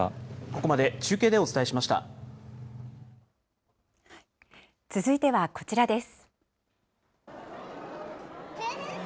ここまで中継でお伝えしまし続いてはこちらです。